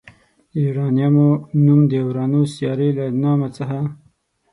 د یوارنیمو نوم د اورانوس سیارې له نامه څخه